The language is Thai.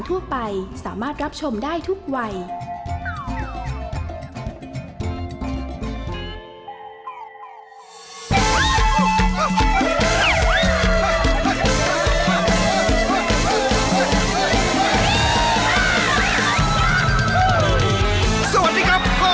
สวัสดีครับพ่อแม่ผีน้อง